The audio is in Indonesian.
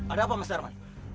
ada apa arman